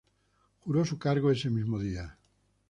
Juró su cargo ese mismo día.